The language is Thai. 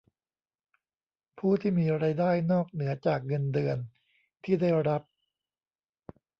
ผู้ที่มีรายได้นอกเหนือจากเงินเดือนที่ได้รับ